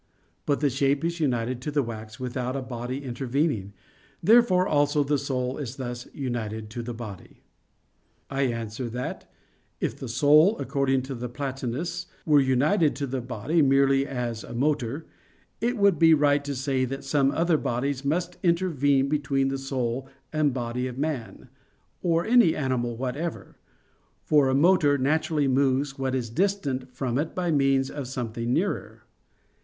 But the shape is united to the wax without a body intervening. Therefore also the soul is thus united to the body. I answer that, If the soul, according to the Platonists, were united to the body merely as a motor, it would be right to say that some other bodies must intervene between the soul and body of man, or any animal whatever; for a motor naturally moves what is distant from it by means of something nearer.